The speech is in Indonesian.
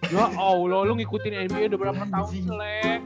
ya allah lu ngikutin nba udah berapa tahun selek